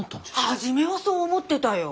初めはそう思ってたよ。